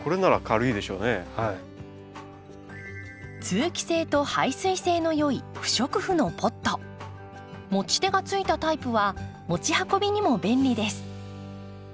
通気性と排水性のよい持ち手がついたタイプは持ち運びにも便利です。